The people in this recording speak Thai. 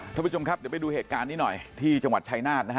ท่านผู้ชมครับเดี๋ยวไปดูเหตุการณ์นี้หน่อยที่จังหวัดชายนาฏนะฮะ